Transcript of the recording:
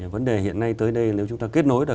vấn đề hiện nay tới đây nếu chúng ta kết nối được